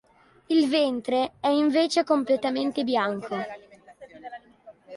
Il ventre è invece completamente bianco.